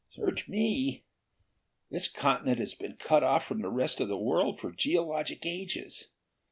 "Search me! This continent has been cut off from the rest of the world for geologic ages.